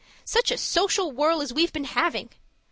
Such a social whirl as we've been having!